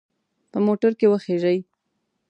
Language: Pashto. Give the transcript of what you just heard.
په موټر کې وخیژئ.